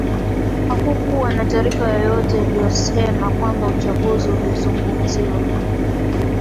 Hakukuwa na taarifa yoyote iliyosema kwamba uchaguzi ulizungumziwa